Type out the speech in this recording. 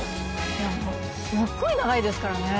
いやすっごい長いですからね。